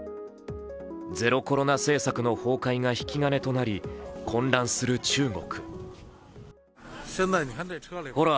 ゼロコロナ政策の崩壊が引き金となり、混乱する中国。